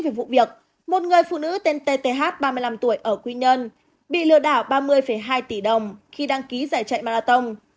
về vụ việc một người phụ nữ tên tth ba mươi năm tuổi ở quy nhơn bị lừa đảo ba mươi hai tỷ đồng khi đăng ký giải chạy marathon